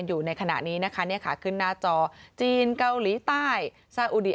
อยู่ในขณะนี้นะคะเนี่ยค่ะขึ้นหน้าจอจีนเกาหลีใต้ซาอุดี